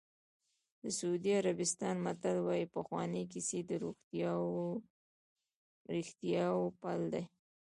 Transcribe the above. د سعودي عربستان متل وایي پخوانۍ کیسې د رښتیاوو پل دی.